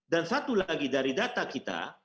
dan satu lagi dari data kita